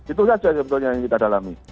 itu saja yang sebetulnya kita dalami